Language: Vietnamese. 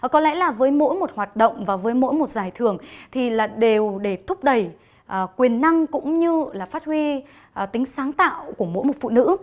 có lẽ là với mỗi một hoạt động và với mỗi một giải thưởng thì đều để thúc đẩy quyền năng cũng như là phát huy tính sáng tạo của mỗi một phụ nữ